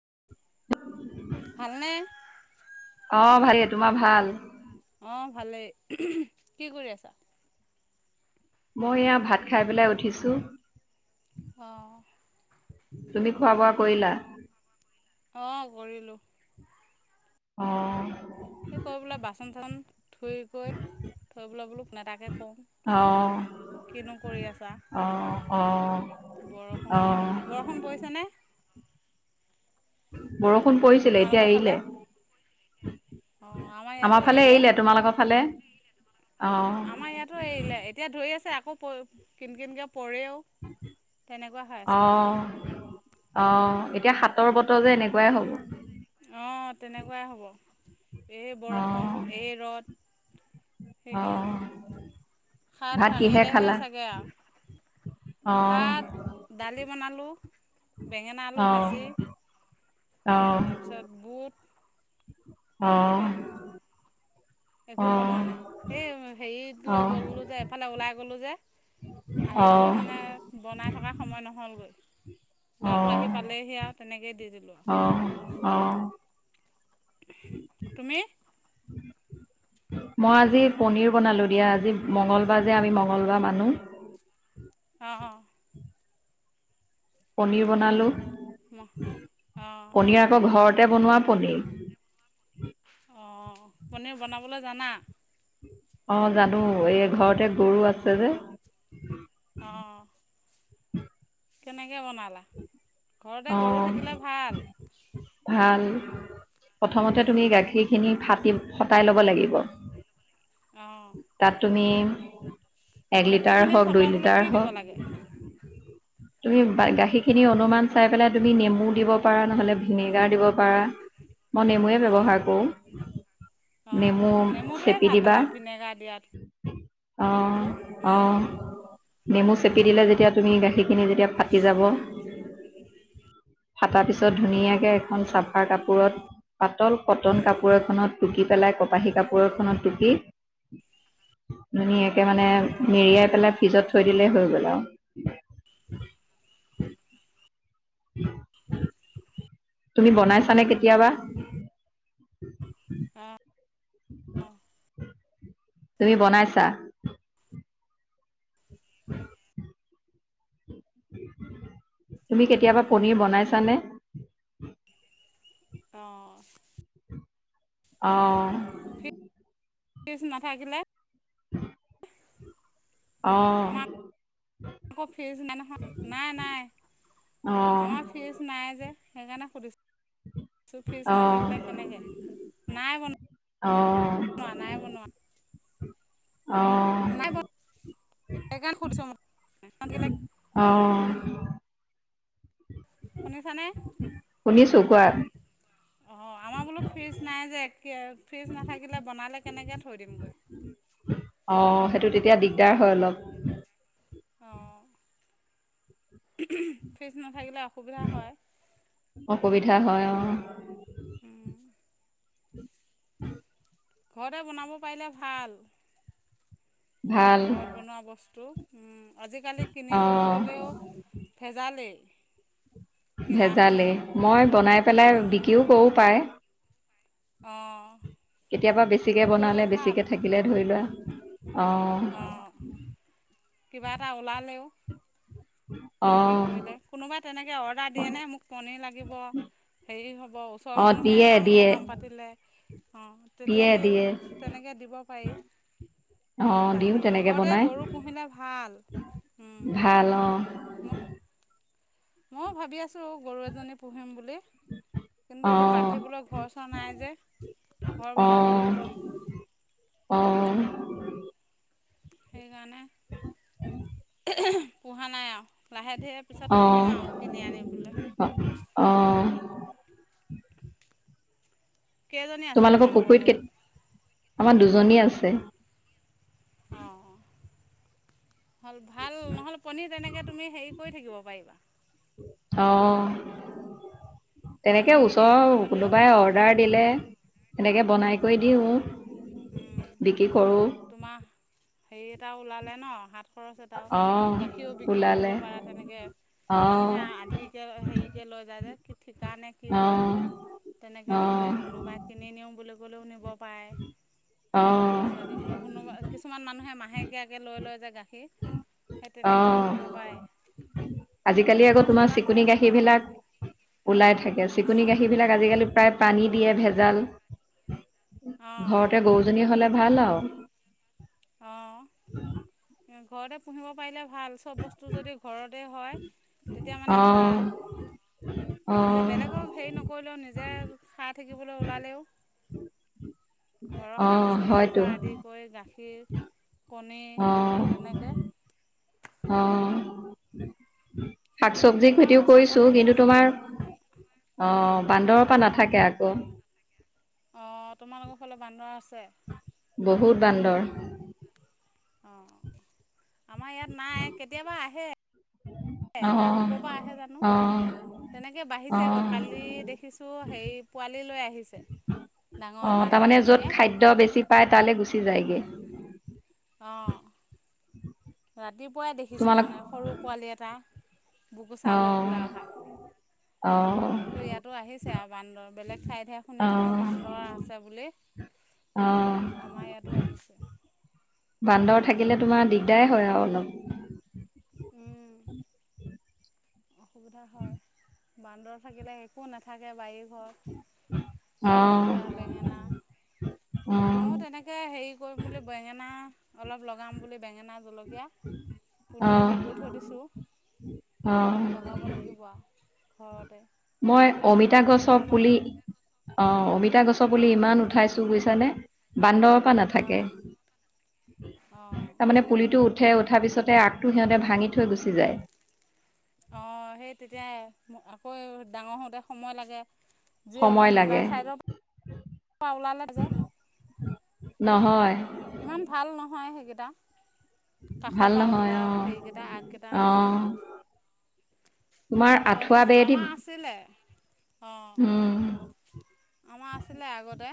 [inaudible] ভালনে? অ' ভালে। তোমাৰ ভাল? অ' ভালেই। কি কৰি আছা? মই এয়া ভাত খাই পেলাই উঠিছোঁ। অঁ। তুমি খোৱা বোৱা কৰিলা? অ কৰিলো। অ! কৈ বোলে বাচন ধূও ধূই গৈ ফোন এটাকে কৰু অ তোমালৈ কিনো কৰি আছা। অ অ! অ বৰষুণ-বৰষুণ পৰিছে নে? বৰ ষোন পৰিছিলে এতিয়া তোমালোকৰ ফালে? এৰিলে। আমাৰ ফালে এৰিলে। তোমালোকৰ ফালে? অ আমাৰ ইয়াতো এৰিলে এতিয়া ধৰি আছে আকৌ। কিনকিনকে পৰেও তেনেকুৱা হৈ অ আছে। অ! এতিয়া সাতৰ বতৰ যে এনেকুৱাই হ'ব অ তেনেকুৱাই হ'ব। এই অ বৰষুণ, এই ৰ'দ অ সেইকাৰণে খাত ভাত কিহে ভাঙিলেহে খালা চাগে আৰু অ ভাত দালি বনালোঁ। বেঙেনা আলু অ ভাজি। অ অ তাৰপিছত বুট অ সেয়াই অ একো বনোৱা নাই এই হেৰি গ'লো যে এফালে ওলাই গ'লো যে আহি অ পেলে মানে বনাই থকা সময় নহ'লগৈ। ল'ৰাটো আহি পালেহি আৰু তেনেকেইে দি দিলোঁ আৰু তুমি উ মই আজি পনিৰ বনালো দিয়া আজি মঙগলবাৰ যে আমি মঙ্গলবাৰ মানো অ পনীৰ বনালোঁ অ তে বনোৱা পনিৰ অ পনীৰ বনাবলৈ জানা অ জানো এই ঘৰতে গৰু আছে যে উ কেনে কে বনালা ঘৰতে গৰু অঁ থাকিলে ভাল ভাল প্ৰথমতে তুমি গাখীৰখিনি ফাটি ফতাই ল'ব লাগিব তাত তুমি এক গাখীৰ লিটাৰ খিনি হওক দুই ফটুৱাবলৈ লিটাৰ কি হওক দিব লাগে তুমি গাখীৰখিনি অনুমান চাই পেলাই তুমি নেমু দিব পাৰা নহলে ভিনেগাৰ দিব পাৰা মই নেমু অঁ ব্যৱহাৰ কৰো অঁ নেমু নেমুটোৱে চেপি ভাল দিবা আৰু ভিনেগাৰ অ অ দিয়াতকৈ নেমু চেপি দিলে যেতিয়া তুমি গাখীৰখিনি যেতিয়া ফাটি যাব ফাটাৰ পিছত ধুনীয়াকে এখন চাফাৰ কাপোৰত পাতল কটন উম। কাপোৰ এখনত টুকি পেলাই কপাহী কাপোৰ এখনত টুকি ধুনীয়াকে মানে মেৰিয়াই পেলাই ফ্ৰিজত থৈ দিলেই হৈ গ'ল আৱ [unintelligible] তুমি বনাইছানে কেতিয়াবা অ', অ তুমি বনাইছা [unintelligible] তুমি কেতিয়াবা পনিৰ বনাইছানে অ অ [inaudible] [unintelligible] অঁ আমাৰ আকৌ ফ্ৰিজ নাই নহয় নাই নাই অঁ আমাৰ ফ্ৰিজ নাই যে সেইকাৰণে সুধিছো ফ্ৰিজ অঁ নাথাকিলে কেনেকে নাই বনা অঁ [inaudible] নাই বনোৱা অ [inaudible] অ শুনিছানে শুনিছো কোৱা অঁ আমাৰ বোলো ফ্ৰিজ নাই যে এতিয়া ফ্ৰিজ নাথাকিলে বনালে কেনেকৈ থৈ দিমগৈ অ সেইটো তেতিয়া দিগদাৰ হয় অলপ অ ফ্ৰিজ নাথাকিলে অসুবিধা হয় অসুবিধা হয় অঁ [unintelligible] ঘৰতে বনাব পাৰিলে ভাল ভাল ঘৰত বনোৱা বস্তু উম আজিকালি কিনিবলৈ অঁ গ'লেও ভেজালেই কিনাখিনিও ভেজালেই। মই বনাই পেলাই বিক্ৰীও কৰো প্ৰায়। অঁ। কেতিয়াবা বেছিকৈ বিক্ৰী কৰিলে বনালে ভাল বেছিকৈ থাকিলে, ধৰি লোৱা। অঁ অঁ, কিবা এটা ওলালেও। বিক্ৰী অঁ কৰিলে। কোনোবাই তেনেকৈ অৰ্ডাৰ দিয়েনে? মোক পনীৰ লাগিব হেৰি হ'ব ওচৰৰ অঁ মানুহে দিয়ে নাম দিয়ে সকাম পাতিলে? অ', তেতিয়া দিয়ে সেই দিয়ে তেনেকৈ দিব পাৰি। অঁ দিওঁ গাখীৰ, তেনেকৈ ঘৰতে বনাই গৰু পুহিলে ভাল। ভাল অঁ [unintelligible] মইও ভাবি আছো। গৰু এজনী পুহিম বুলি। কিন্তু এতিয়া অঁ বান্ধিবলৈ ঘৰ চৰ নাই যে, ঘৰ বনাব লাগিব। অঁ সেইকাৰণে [unintelligible] পোহা নাই আৰু। লাহে ধীৰে পিছত অঁ অঁ পুহিম আৰু কিনি আনি পেলাই। অঁ। কেইজনী আছে তোমালোকৰ পুখুৰীত কেত গৰু? আমাৰ দুজনী আছে। [inaudible] অঁ হ'ল ভাল নহ'লে পনীৰ তেনেকৈ তুমি হেৰি কৰি থাকিব পাৰিবা। অ'। তেনেকে গাখীৰ হেৰি ওচৰৰ নকৰিলেও কোনোবাই অৰ্ডাৰ দিলে এনেকে বনাই কৰি অঁ দিওঁ, বিক্ৰী কৰোঁ। তোমাৰ, হেৰি এটা ওলালে ন' হাত খৰচ এটাও অহ গাখীৰও বিক্ৰী কৰিব ওলালে পাৰে তেনেকৈ অহ মানুহে আধিকৈ হেৰিকৈ লৈ যায় যে কি ঠিকা নে কি কৰে অহ তেনেকৈ লৈ অহ যায়, কোনোবাই কিনি নিওঁ বুলি গ'লেও নিব পাৰে পইচা দি পেলাই কোনোবা অ'। কিছুমান মান নুহে মাহেকীয়াকৈ লৈ লয় যে গাখীৰ। সেই তেনেকৈও অ', ল'ব পাৰে তেতিয়া আজিকালি আকৌ তোমাৰ চলা চিকুণি খৰচ এটা গাখীৰ ওলাই বিলাক থাকিল ওলাই থাকে চিকুণি অঁ গাখীৰ বিলাক আজিকালি প্ৰায় পানীত দিয়ে ভেজাল। অঁ ঘৰতে গৰুজনী হ'লে ভাল আও। অ'। [inaudible] ঘৰতে পুহিব পাৰিলে ভাল চব বস্তু যদি ঘৰতে হয় তেতিয়া মানে অহ ভাল, নিজে অহ বেলেগক হেৰি নকৰিলেও নিজে খাই থাকিবলৈ ওলালেও ঘৰৰ শাক অহ হয়তো চবজিৰপৰা আদি কৰি গাখীৰ [unintelligible] কণী অহ তেনেকে অহ শাক চবজিৰো মই খেতিও আকৌ কৰিছো ছাগলীহে কিন্তু আছে যে তোমাৰ অহ বান্দৰৰ পৰা নাথাকে আকৌ অহ তোমালোকৰ ফালৰ বান্দৰ আছে? বহুত বান্দৰ অহ আমাৰ ইয়াত নাই কেতিয়াবা আহে অহ এটা ক'ৰ পৰা আহে জানো অহ তেনেকৈ বাঢ়িছেগৈ অহ কালি দেখিছোঁ হেৰি পোৱালিলৈ আহিছে অ ডাঙৰ বান্দৰ তাৰমানে য'ত এজনীয়ে খাদ্য বেছি পায় তালে গুচি যায়গে ৰাতি পুৱাই দেখিছো তোমালোক মানে সৰু পোৱালি এটা অ বুকুচালৈ পেলাই আহা অ মই বোলো ইয়াতো আহিছে আৰু বান্দৰ বেলেগ ঠাইতহে শুনি অ থাকোঁ বান্দৰ আছে বুলি অ আমাৰ ইয়াতো আহিছে বান্দৰ থাকিলে তোমাৰ দিগদাৰ হয় আৰু অলপ [unintelligible] অসুবিধা হয় বান্দৰ থাকিলে একো নাথাকে বাৰী ঘৰ অ জলকীয়া বেঙেনা অ ময়ো তেনেকে হেৰি কৰিম বুলি বেঙেনা অলপ লগাম বুলি বেঙেনা জলকীয়া অ পুলি হেৰি কৰি থৈ দিছোঁ অ লগাব লাগিব ঘৰতে মই অমিতা গছক পুলি অহ অমিতা গছ উঠক বুলি অঁ ইমান উঠাইছো বুইছানে মানে? বান্দৰৰ পৰা নাথাকে, অঁ অঁ তাৰমানমানে পুলিটো উঠে উঠাৰ পিছতে আগটো সিহঁতে ভাঙি থৈ গুচি যায় অহ সেই তেতিয়া আকৌ ডাঙৰ হওঁতে সময় লাগে যি সময় অকণ লাগে ওলাই চাইডৰ পৰা ওলালে যে নহয় ইমান ভাল নহয় সেইকেইটা কাষৰ ভাল পৰা নহয় ওলোৱা অ সেইকেইটা আগকেইটা অ উম তোমাৰ ঘৰতে আঁঠুৱা আহি গল বেৰেদি আমাৰ আছিলে অঁ উম আমাৰ আছিলে আগতে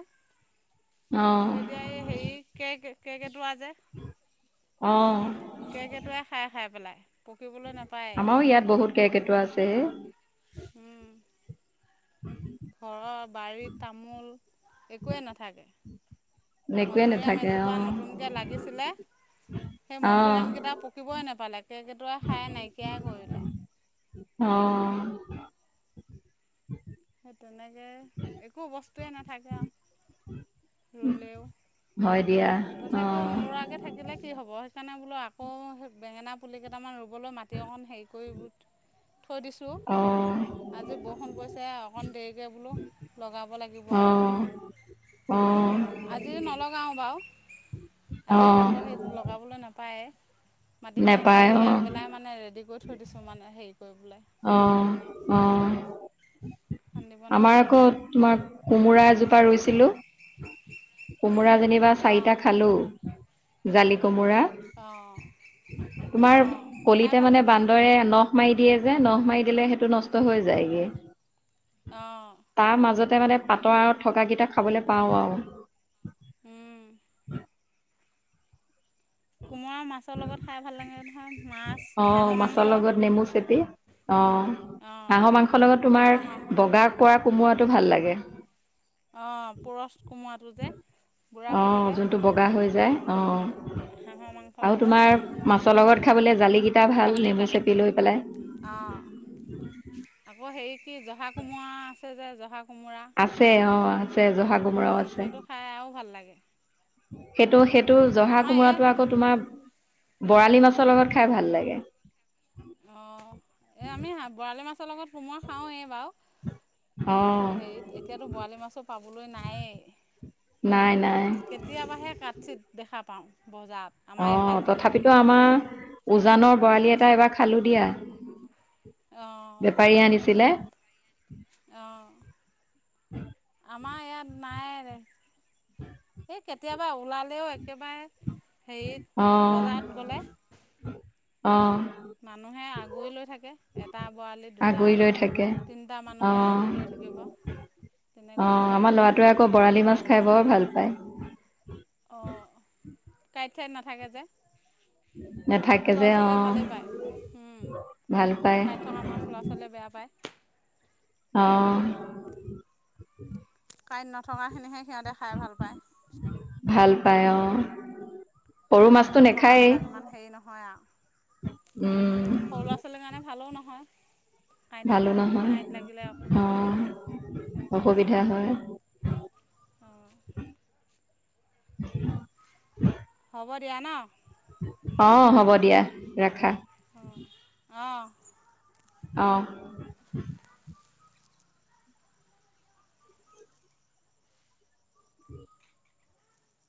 অ কিন্তু এতিয়া অ এই হেৰি কেক [unintelligible] কেৰকেটুৱা যে কেৰকেটুৱাই খাই খাই পেলাই পকিবলৈ নাপায় আমাৰো ইয়াত বহুত কেৰকেটুৱা আছে হে [inaudible] উম উম ঘৰৰ বাৰীত তামোল একোৱেই নাথাকে নেকুৱে মধুৰীয়াম নাথাকে অ এজোপা নতুনকে লাগিছিলে সেই অ মধুৰিআম কেইটা পকিবই নাপালে কেৰকেটুৱাই খাই নাইকিয়াই কৰিলে অঁ সেই তেনেকে একো বস্তুৱে নাথাকে আৰু ৰুলেও হয় দিয়া অ তথাপিও নুৰুৱাকে থাকিলে হ'ব সেইকাৰণে বোলো আকৌ বেঙেনা পুলি কেইটামান ৰুবলৈ মাটি অকণ হেৰি কৰি থৈ দিছো অ আজি বৰষুণ পৰিছে অকণ দেৰিকে বোলো লগাব লাগিব অ অ আৰু বৰষুণ আজি নলগাও চাওঁ বাওঁ অ আজি হাতৰ সেই লগাবলৈ নাপা পাৰে মাটিখিনি নেপায় কালি অ আগবেলাই মানে ৰেড কৰি থলো থৈ দিছো মানে হেৰি কৰি বলে অঁ অঁ খান্দিব আমাৰ নাপায় যে আকৌ তোমাৰ কোমোৰা এজোপা ৰুইছিলো কোমোৰা যেনিবা অঁ চাৰিটা খালো জালি কোমোৰা অঁ তোমাৰ অঁ খাই কলিতে ভাল মানে লাগে বান্দৰে নখ নখ মাৰি দিয়ে যে নখ মাৰি দিলে সেইটো নষ্ট হৈ যায়গে অঁ তাৰ মাজত মানে পাতৰ আৰু থকাকেইটা খাবলৈ পাওঁ আৰু। কোমোৰাৰ মাছৰ লগত খাই ভাল লাগে, ধৰা অ', মাছৰ লগত নেমু চেপি অ', অঁ হাঁহৰ মাংসৰ লগত তোমাৰ আকৌ হাঁহ বগা পৰা কোমোৰাটো ভাল লাগে। অ', পূৰঠ কোমৰাটো যে বুঢ়া হৈ অ' থাকে। যোনটো বগা হৈ যায় অ'। হাঁহৰ মাংসৰ আৰু লগত তোমাৰ মাছ জৰ লগত খাবলৈ জালি গিটা ভাল খাবলৈ নেমু জালি। চেপি লৈ পেলাই। অঁ আকৌ হেৰি কি জহা কোমৰা আছে যে জহা কোমোৰা আছে অ'। আছে, জহা কোমোৰাও অঁ আছে। সেইটো খাই আৰু ভাল লাগে সেইটো, সেই টো জহা আমাৰ কোমোৰাটো এই আকৌ তোমাৰ বৰালি মাছৰ লগত খাই ভাল লাগে। ৰ লগত কোমোৰা খাওঁৱে বাৰু। অ' হেৰিত এতিয়াতো বৰালি মাছো পাবলৈ নায়েই। নাই নাই কেতিয়াবাহে কাটছিত দেখা পাওঁ। বজাৰত আমাৰ অ', এইফালে তথাপিতো আমাৰ উজানৰ বৰালি এটা এইবাৰ খালোঁ দিয়া। অঁ বেপাৰীয়ে আনিছিলে। অঁ [inaudible] আমাৰ ইয়াত নাই কেতিয়াবা ওলালেও একেবাৰে হেৰিত, বজাৰত গ'লে অঁ। মানুহে আগুৰি লৈ থাকে। এটা বৰালি দুটা, আগুৰি লৈ থাকে তিনিটা মানুহে অ', আগুৰি লৈ থাকিব। তেনেকুৱা অ', হয়। আমাৰ ল'ৰাটোৱে আকৌ বৰালি মাছ আগ খাই বৰ ভাল পায় অঁ, কাই ত নাথাকে যে। নাথাকে ল'ৰা যে ছোৱালীয়ে অ', ভালেই পায়। ভাল পায় কাইট থকা মাছ ল'ৰা ছোৱালীয়ে বেয়া পায়। অ', [inaudible] কাইট নথকাখিনিহে সিহঁতে খাই ভাল পায়। ভাল পায়, অ'। সৰু মাছটো কাইট নেখায়েই থকাবিলাক ইমান হেৰি নহয় আৰু। উম। সৰু ল'ৰা ছোৱালীৰ কাৰণে ভালও নহয়। কাইট ভালো থকা, নহয় কাইট লাগিলে অসুবিধা। অ', অসুবিধা হয় অঁ। [inaudible] হ'ব দিয়া ন? অঁ, হ'ব দিয়া, ৰাখা। অঁ। অঁ।